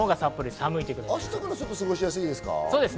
明日から過ごしやすいですか。